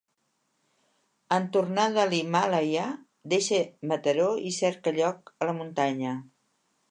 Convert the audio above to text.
En tornar de l’Himàlaia deixa Mataró i cerca lloc a la muntanya.